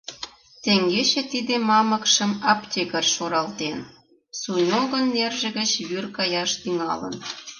Теҥгече тиде мамыкшым аптекарь шуралтен — Суньогын нерже гыч вӱр каяш тӱҥалын.